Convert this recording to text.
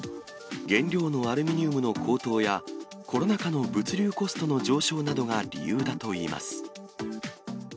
原料のアルミニウムの高騰や、コロナ禍の物流コストの上昇などが理由だといいます。